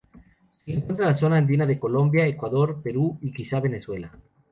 Se le encuentra en la zona andina de Colombia, Ecuador, Perú y, quizá, Venezuela.